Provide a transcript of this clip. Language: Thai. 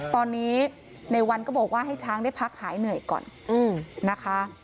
ตอนนี้ในวันก็บอกว่าให้ช้างได้พักหายเหนื่อยก่อนนะคะ